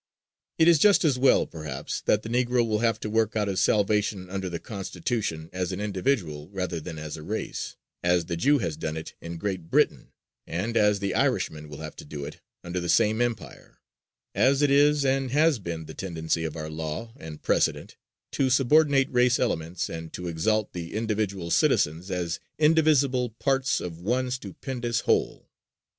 It is just as well, perhaps, that the Negro will have to work out his salvation under the Constitution as an individual rather than as a race, as the Jew has done it in Great Britain and as the Irishman will have to do it under the same Empire, as it is and has been the tendency of our law and precedent to subordinate race elements and to exalt the individual citizens as indivisible "parts of one stupendous whole."